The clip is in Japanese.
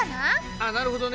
あなるほどね！